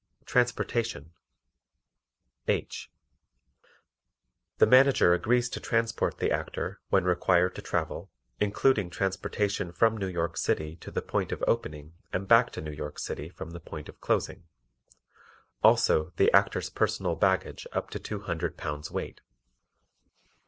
Transportation H. The Manager agrees to transport the Actor when required to travel, including transportation from New York City to the point of opening and back to New York City from the point of closing; also the Actor's personal baggage up to two hundred pounds weight.